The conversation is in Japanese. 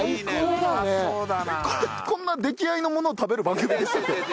こんな出来合いのものを食べる番組でしたっけ？